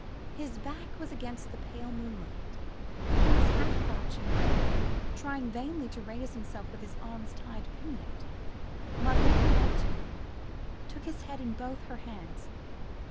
... His back was against the pale moonlight, he was half crouching, trying vainly to raise himself with his arms tightly pinioned. Marguerite ran up to him, took his head in both her hands